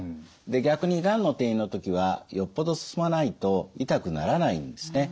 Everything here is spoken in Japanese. で逆にがんの転移の時はよっぽど進まないと痛くならないんですね。